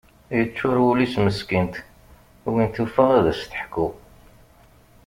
Yeččur wul-is meskint, win tufa ad as-teḥku.